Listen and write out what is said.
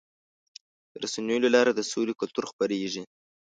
د رسنیو له لارې د سولې کلتور خپرېږي.